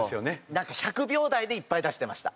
なんか１００秒台でいっぱい出してました。